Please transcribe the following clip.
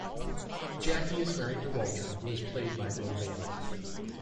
Jackie is married to Walter who is played by Bill Bailey.